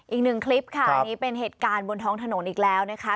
อีกหนึ่งคลิปค่ะอันนี้เป็นเหตุการณ์บนท้องถนนอีกแล้วนะคะ